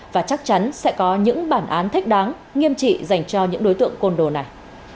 và chắc chắn sẽ có những bản án thích đáng nghiêm trị dành cho những đối tượng côn đồ này